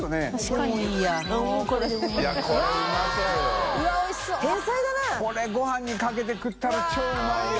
海ごはんにかけて食ったら超うまいよ。